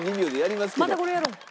またこれやろう。